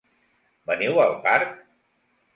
Veniu al parc?